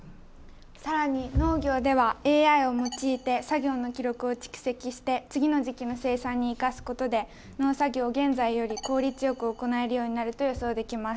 更に農業ではＡＩを用いて作業の記録を蓄積して次の時期の生産に生かすことで農作業を現在より効率よく行えるようになると予想できます。